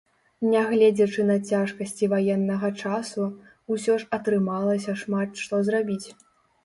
Нягледзячы на цяжкасці ваеннага часу, усё ж атрымалася шмат што зрабіць.